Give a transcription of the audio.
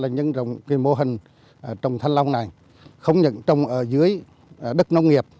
những mô hình trồng thanh long này không những trồng ở dưới đất nông nghiệp